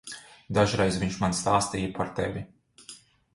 Dažreiz viņš man stāstīja par tevi.